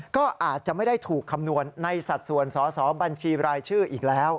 ก็อาจจะไม่ได้ถูกคำนวณในสัดส่วนสอสอบัญชีรายชื่ออีกแล้ว